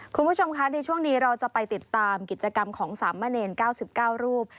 คุณผู้ชมคะในช่วงนี้เราจะไปติดตามกิจกรรมของสามเณร๙๙รูป